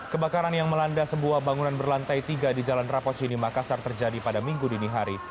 kebakaran yang melanda sebuah bangunan berlantai tiga di jalan rapocini makassar terjadi pada minggu dini hari